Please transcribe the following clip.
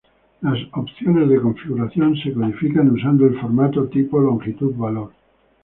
Las opciones de configuración se codifican usando el formato Tipo-Longitud-Valor.